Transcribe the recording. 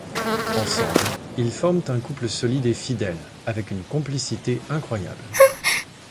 Ensemble, ils forment un couple solide et fidèle, avec une complicité incroyable.